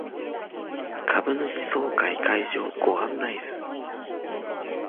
株主総会会場ご案内図